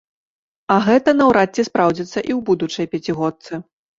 А гэта наўрад ці спраўдзіцца і ў будучай пяцігодцы.